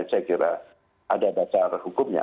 saya kira ada dasar hukumnya